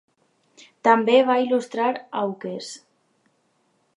També va il·lustrar auques.